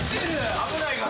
危ないから。